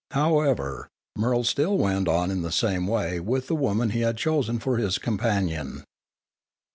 However, Murrel still went on in the same way with the woman he had chosen for his companion.